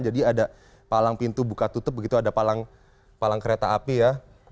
jadi ada palang pintu buka tutup begitu ada palang kereta api ya